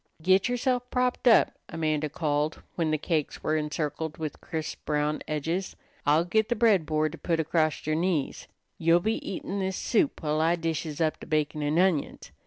"Git yerself propped up," Amanda called when the cakes were encircled with crisp, brown edges. "I'll git the bread board to put acrost yer knees. You be eatin' this soup while I dishes up the bacon an' onions.